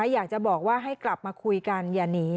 อยากจะบอกว่าให้กลับมาคุยกันอย่าหนี